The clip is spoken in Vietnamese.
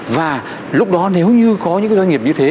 và lúc đó nếu như có những doanh nghiệp như thế